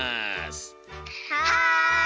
はい！